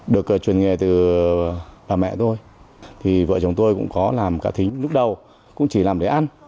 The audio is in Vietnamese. được truyền nghề từ bà mẹ tôi vợ chồng tôi cũng có làm cá thính lúc đầu cũng chỉ làm để ăn